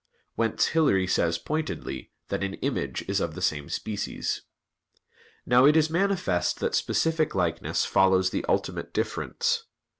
Whence Hilary says pointedly that "an image is of the same species." Now it is manifest that specific likeness follows the ultimate difference.